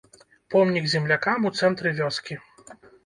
Помнік землякам у цэнтры вёскі.